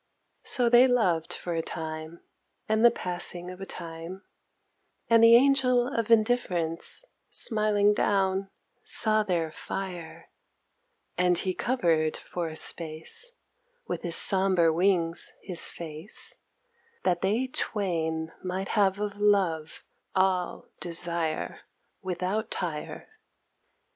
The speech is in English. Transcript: So they loved for a Time and the passing of a Time, And the Angel of Indifference, smiling down, saw their fire, And he covered for a space With his sombre wings his face, That they twain might have of love all desire, without tire.